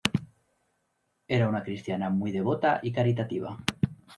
Era una cristiana muy devota y caritativa.